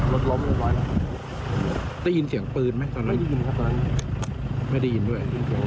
รถล้มลงไปได้ยินเสียงปืนไหมไม่ได้ยินครับตอนนี้ไม่ได้ยินด้วย